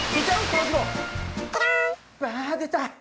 わー、出た。